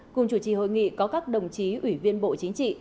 cùng chủ trì hội nghị có các đồng chí ủy viên bộ chính trị